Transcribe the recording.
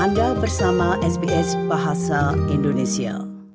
anda bersama sbs bahasa indonesia